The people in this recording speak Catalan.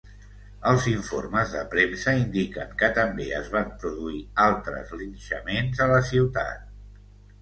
Els informes de premsa indiquen que també es van produir altres linxaments a la ciutat.